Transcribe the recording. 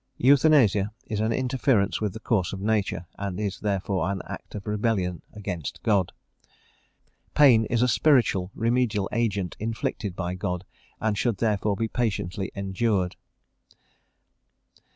Euthanasia is an interference with the course of nature, and is therefore an act of rebellion against God. Pain is a spiritual remedial agent inflicted by God, and should therefore be patiently endured.